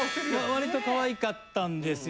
割とかわいかったんですよ。